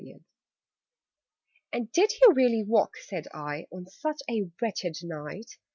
"And did you really walk," said I, "On such a wretched night?